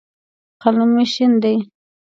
قلم مې شین دی.